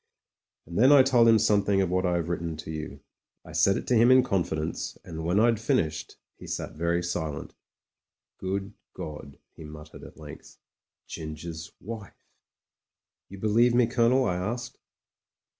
And then I told him something of what I have writ ten to you. I said it to him in confidence, and when I'd finished he sat very silent ''Good Godl" he muttered at length. ''Ginger's wifer "You believe me, Colonel ?" I asked.